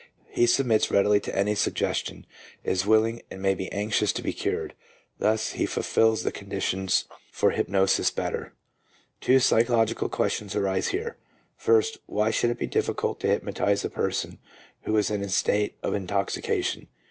He submits readily to any suggestion, is willing and may be anxious to be cured. Thus he fulfils the conditions for hypnosis better. Two psychological questions arise here: first, why should it be difficult to hypnotize a person who is in a state of intoxication?